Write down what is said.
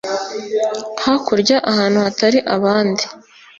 hakurya ahantu hatari abandi